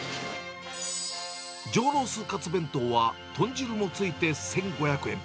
上ロースかつ弁当は豚汁もついて１５００円。